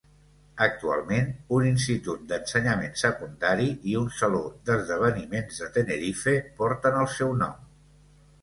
Actualment, un institut d'ensenyament secundari i un saló d'esdeveniments de Tenerife porten el seu nom.